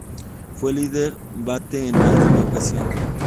Fue líder bate en más de una ocasión.